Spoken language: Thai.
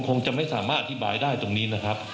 คงจะไม่สามารถอธิบายได้ตรงนี้นะครับ